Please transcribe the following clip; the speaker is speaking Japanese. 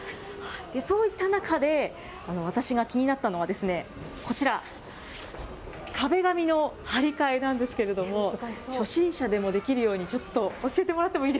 そういった中で、私が気になったのは、こちら、壁紙の貼り替えなんですけれども、初心者でもできるようにちょっと、はい。